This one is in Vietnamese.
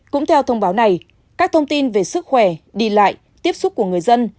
cũng theo thông báo này các thông tin về sức khỏe đi lại tiếp xúc của người dân